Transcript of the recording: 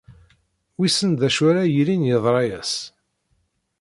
Wissen d acu ara yilin yeḍra-as.